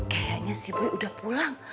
kayaknya si bayi udah pulang